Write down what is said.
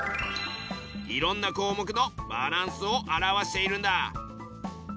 いろんな項目のバランスを表しているんだ！